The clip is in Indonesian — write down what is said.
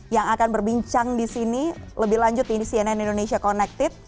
yang akan berbincang di sini lebih lanjut di cnn indonesia connected